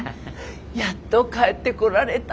やっと帰ってこられた。